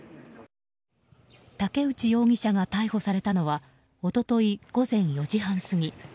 竹内容疑者が逮捕されたのは一昨日、午前４時半過ぎ。